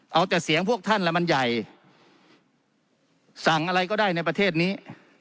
เอาแต่เสียงพวกท่านแล้วมันใหญ่สั่งอะไรก็ได้ในประเทศนี้